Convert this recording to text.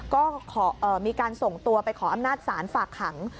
ก็มีการส่งตัวไปขออำนาจศาลฝากขัง